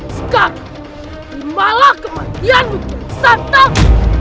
sekarang dimalah kematianmu kiat santan